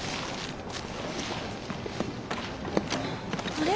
あれ？